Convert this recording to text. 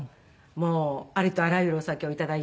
もうありとあらゆるお酒をいただいて。